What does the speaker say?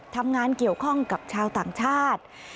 ทำงานเกี่ยวข้องกับชาวต่างชาติ